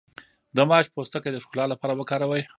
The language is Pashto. د ماش پوستکی د ښکلا لپاره وکاروئ